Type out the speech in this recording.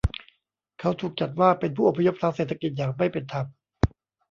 เขาถูกจัดว่าเป็นผู้อพยพทางเศรษฐกิจอย่างไม่เป็นธรรม